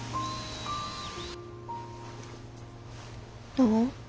どう？